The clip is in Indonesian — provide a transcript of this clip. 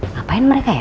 ngapain mereka ya